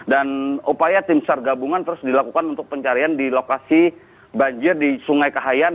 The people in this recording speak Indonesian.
dan upaya tim sargabungan terus dilakukan untuk pencarian di lokasi banjir di sungai kahayan